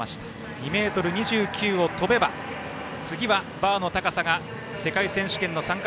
２ｍ２９を跳べば次はバーの高さが世界選手権の参加